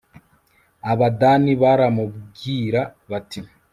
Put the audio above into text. abadani baramubwira bati